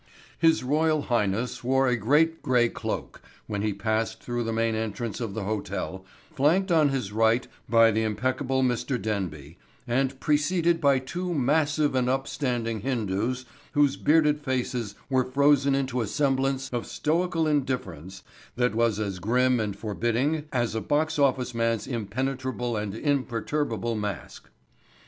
His Royal Highness wore a great gray cloak when he passed through the main entrance of the hotel flanked on his right by the impeccable Mr. Denby and preceded by two massive and upstanding Hindus whose bearded faces were frozen into a semblance of stoical indifference that was as grim and forbidding as a box office man's impenetrable and imperturbable mask.